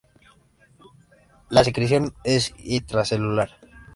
La secreción es intracelular.